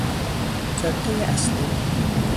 جادهی اصلی